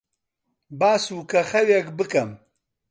با سووکەخەوێک بکەم.